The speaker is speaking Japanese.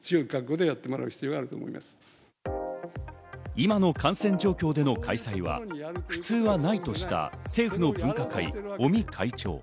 今の感染状況での開催は普通はないとした政府の分科会・尾身会長。